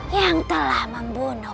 yang telah membunuh